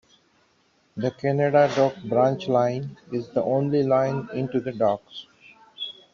The Canada Dock Branch Line is the only line into the docks.